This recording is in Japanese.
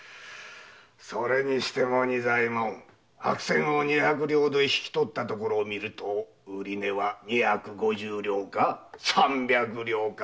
それにしても白扇を二百両で引き取ったところをみると売り値は二百五十両か三百両か？